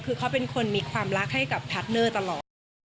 คือเขาเป็นคนมีความรักให้กับพาร์ทเนอร์ตลอด